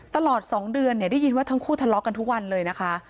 ตลอด๒เดือนได้ยินว่าทั้งคู่ทะเลาะกันทุกวันเลยนะคะ